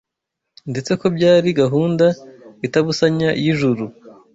ndetse ko byari gahunda itabusanya y’ijuru